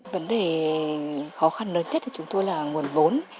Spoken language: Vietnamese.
vấn đề khó khăn lớn nhất chúng tôi là nguồn vốn